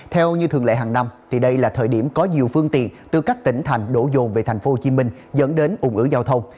theo như thường lệ hàng năm đây là thời điểm có nhiều phương tiện từ các tỉnh thành đổ dồn về tp hcm dẫn đến ủng ứ giao thông